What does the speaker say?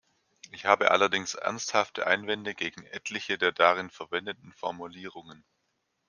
Ich habe allerdings ernsthafte Einwände gegen etliche der darin verwendeten Formulierungen.